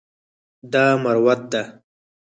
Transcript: دا مروت ده.